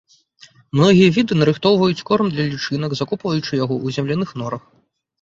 Многія віды нарыхтоўваюць корм для лічынак, закопваючы яго ў земляных норах.